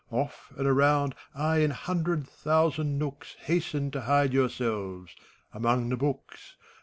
— Off, and around I in hundred thousand nooks Hasten to hide yourselves — among the books.